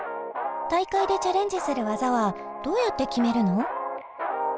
大会でチャレンジする技はどうやって決めるの？